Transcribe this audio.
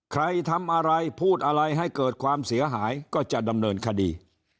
ใครทำอะไรพูดอะไรให้เกิดความเสียหายก็จะดำเนินคดี